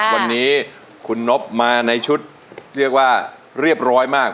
วันนี้คุณนบมาในชุดเรียกว่าเรียบร้อยมาก